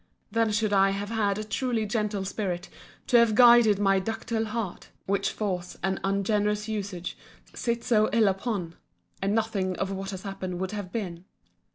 then should I have had a truly gentle spirit to have guided my ductile heart, which force and ungenerous usage sit so ill upon: and nothing of what has happened would have been.